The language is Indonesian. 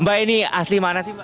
mbak ini asli mana sih mbak